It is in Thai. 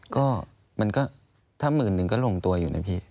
ก็มันก็ถ้าหมื่นหนึ่งก็ลงตัวอยู่นะพี่